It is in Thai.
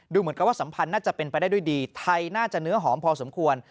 เหมือนกับว่าสัมพันธ์น่าจะเป็นไปได้ด้วยดีไทยน่าจะเนื้อหอมพอสมควร